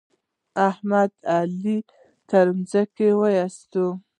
احمد؛ علي تر ځمکه واېست.